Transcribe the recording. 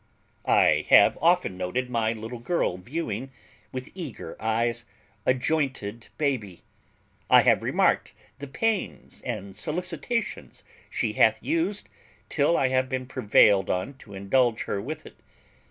I have often noted my little girl viewing, with eager eyes, a jointed baby; I have marked the pains and solicitations she hath used till I have been prevailed on to indulge her with it.